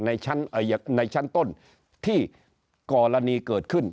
ในชั้นต้นที่กรณีเกิดขึ้น